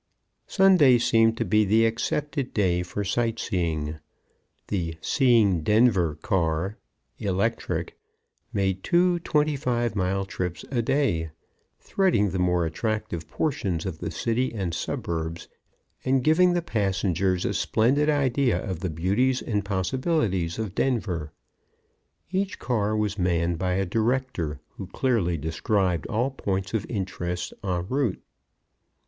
Sunday seemed to be the accepted day for sight seeing. The "Seeing Denver" car (electric) made two twenty five mile trips a day, threading the more attractive portions of the city and suburbs and giving the passengers a splendid idea of the beauties and possibilities of Denver. Each car was manned by a director, who clearly described all points of interest en route.